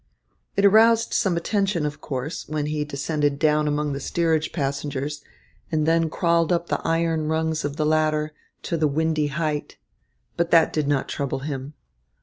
It aroused some attention, of course, when he descended down among the steerage passengers and then crawled up the iron rungs of the ladder to the windy height. But that did not trouble him.